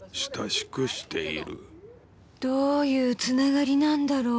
どういうつながりなんだろう。